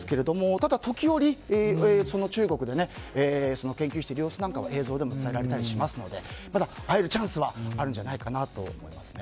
ただ、時折中国で研究している様子を映像でも伝えられたりしますのでまだ、会えるチャンスはあるんじゃないかなと思います。